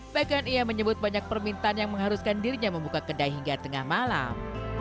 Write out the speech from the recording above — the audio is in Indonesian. bahkan ia menyebut banyak permintaan yang mengharuskan dirinya membuka kedai hingga tengah malam